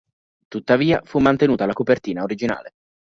Tuttavia fu mantenuta la copertina originale.